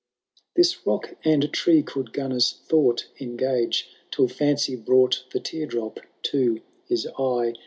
This rock and tree could Gunnar^s thought engage Till Fancy brought the tear drop to his eye.